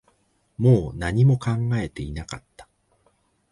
もう何も考えていなかった